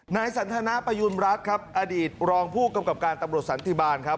นายสันทนาประยุณรัฐครับอดีตรองผู้กำกับการตำรวจสันติบาลครับ